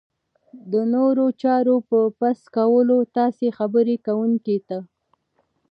د نورو چارو په بس کولو تاسې خبرې کوونکي ته